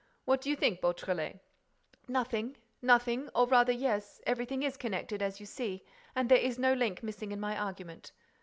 What do you think, Beautrelet?" "Nothing—nothing—or, rather, yes—everything is connected, as you see—and there is no link missing in my argument.